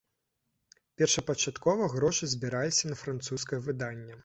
Першапачаткова грошы збіраліся на французскае выданне.